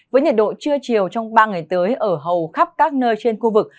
với nhiệt độ trưa chiều trong ba ngày tới ở hầu khắp các nơi trên khu vực